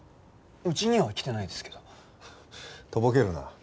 うちには来てないですけど。とぼけるな。